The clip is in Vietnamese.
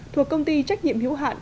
thuộc công ty trách nhiệm hữu hạn